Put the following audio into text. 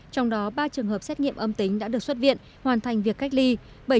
trong đó ba trường hợp xét nghiệm âm tính đã được xuất viện hoàn thành việc cách ly